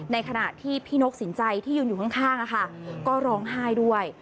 ในขณะที่พี่นกสินใจที่ยืนอยู่ข้างก็ร้องไห้ด้วย